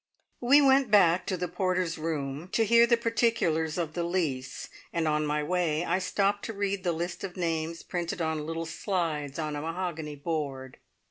We went back to the porter's room to hear the particulars of the lease, and on my way I stopped to read the list of names printed on little slides on a mahogany board.